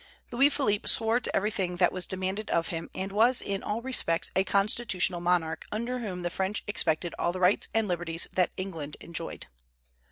Louis Philippe swore to everything that was demanded of him, and was in all respects a constitutional monarch, under whom the French expected all the rights and liberties that England enjoyed.